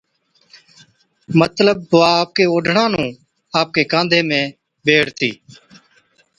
مطلب وا آپڪي اوڍڻا نُون آپڪي ڪانڌي ۾ بيڙھتِي